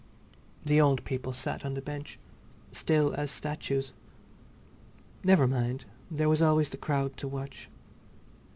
The old people sat on the bench, still as statues. Never mind, there was always the crowd to watch.